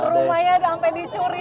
rumahnya udah sampai dicuri curi